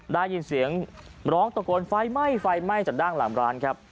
ได้ยินเสียงร้องตะโกนไฟไหม้ไฟไหม้จากด้านหลังร้านครับ